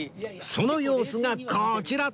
その様子がこちら！